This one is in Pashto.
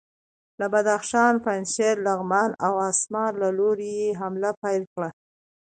له بدخشان، پنجشیر، لغمان او اسمار له لوري یې حمله پیل کړه.